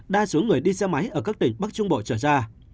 đa số người đi xe máy ở các tỉnh bắc trung bộ trở ra